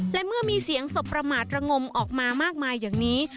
และเมื่อมีเสียงศพประมาทระงมออกมามากมายอย่างนี้